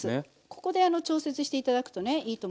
ここで調節して頂くとねいいと思います。